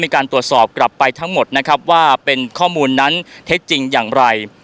มีการตรวจสอบกลับไปทั้งหมดนะครับว่าเป็นข้อมูลนั้นเท็จจริงอย่างไร